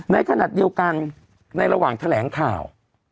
ในขณะเดียวกันในระหว่างแถลงข่าว